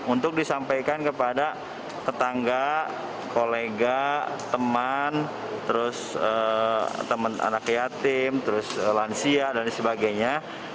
untuk disampaikan kepada tetangga kolega teman terus teman anak yatim terus lansia dan sebagainya